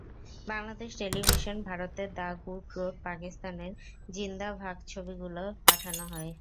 বাংলাদেশের টেলিভিশন, ভারতের the good road, পাকিস্তানের জিন্দা ভাগ ছবিগুলো পাঠানো হয়।